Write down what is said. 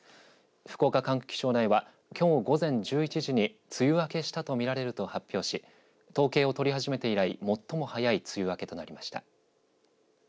福岡管区気象台はきょう午前１１時に梅雨明けとしたと見られると発表し統計を取り始めて以来最も早い梅雨明けとなりました。